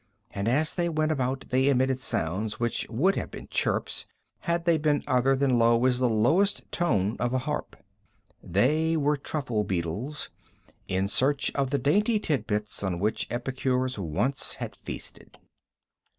And as they went about they emitted sounds which would have been chirps had they been other than low as the lowest tone of a harp. They were truffle beetles, in search of the dainty tidbits on which epicures once had feasted.